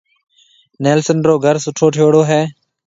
نيلسن رو گھر سُٺو ٺيوڙو ھيََََ